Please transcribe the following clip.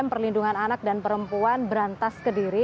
perlindungan anak dan perempuan berantas kediri